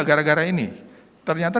gara gara ini ternyata